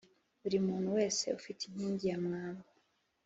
buri muntu wese ni inkingi ya mwamba